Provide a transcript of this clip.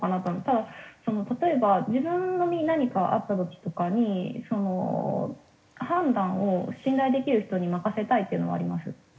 ただ例えば自分の身に何かあった時とかに判断を信頼できる人に任せたいというのはあります。